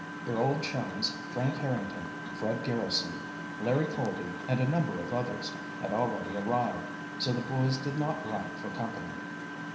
Their old chums, Frank Harrington, Fred Garrison, Larry Colby, and a number of others, had already arrived, so the boys did not lack for company.